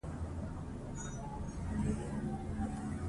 د معلولینو لاسنیوی وکړئ.